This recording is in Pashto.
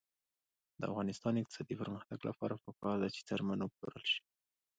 د افغانستان د اقتصادي پرمختګ لپاره پکار ده چې څرمن وپلورل شي.